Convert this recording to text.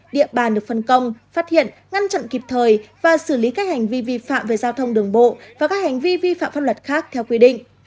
địa bàn được phân công phát hiện ngăn chặn kịp thời và xử lý các hành vi vi phạm về giao thông đường bộ và các hành vi vi phạm pháp luật khác theo quy định